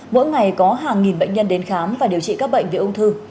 mỗi ngày có hàng nghìn bệnh nhân đến khám và điều trị các bệnh về ung thư